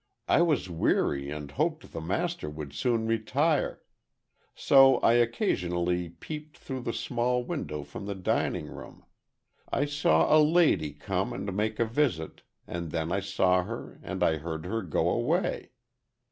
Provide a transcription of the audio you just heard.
I was weary and hoped the master would soon retire. So, I occasionally peeped through the small window from the dining room. I saw a lady come and make a visit, and then I saw her and I heard her go away.